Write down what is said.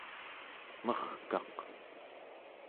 merkaq